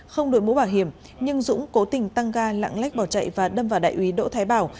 không đổi mũ bảo hiểm nhưng dũng cố tình tăng ga lãng lách bỏ chạy và đâm vào đại úy đỗ thái bảo